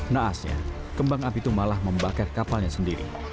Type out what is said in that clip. naasnya kembang api itu malah membakar kapalnya sendiri